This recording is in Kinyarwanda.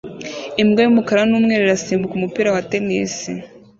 Imbwa y'umukara n'umweru irasimbuka umupira wa tennis